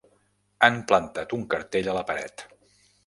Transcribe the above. Han plantat un cartell a la paret.